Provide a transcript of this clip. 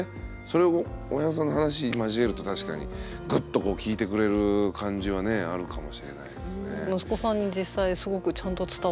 それ親御さんの話交えると確かにグッとこう聞いてくれる感じはねあるかもしれないっすね。